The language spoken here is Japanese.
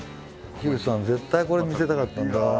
口さんに絶対これ見せたかったんだ。